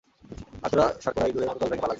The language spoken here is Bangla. আর তোরা শার্করা ইঁদুরের মতো দল ভেঙে পালাবি।